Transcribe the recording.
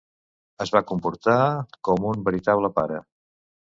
Es va comportar com un veritable pare.